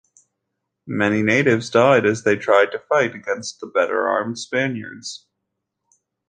Many natives died as they tried to fight against the better-armed Spaniards.